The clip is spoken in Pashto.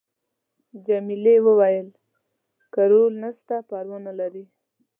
جميلې وويل:: که رول نشته پروا نه لري.